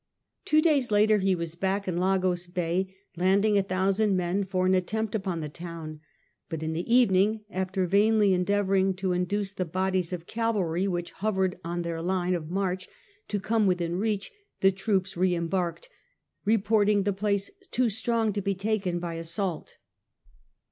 Two days later he was back in Lagos Bay, landing a thousand men for an attempt upon the town, but in the evening, after vainly endeavouring to induce the bodies of cavalry which hovered on their line of march to come within reach, the Iroops re embarked, reporting the place too strong to be taken by assault.